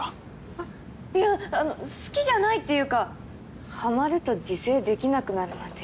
あっいやあの好きじゃないっていうかはまると自制できなくなるので。